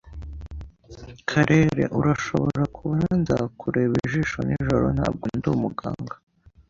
karere, urashobora kubara Nzakureba ijisho nijoro. Ntabwo ndi umuganga